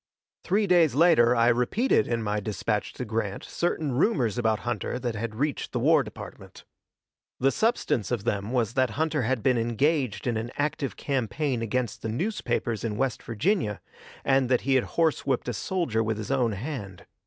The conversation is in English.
Three days later I repeated in my dispatch to Grant certain rumors about Hunter that had reached the War Department. The substance of them was that Hunter had been engaged in an active campaign against the newspapers in West Virginia, and that he had horsewhipped a soldier with his own hand.